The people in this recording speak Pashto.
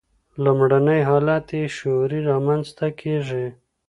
لومړنی حالت یې شعوري رامنځته کېږي.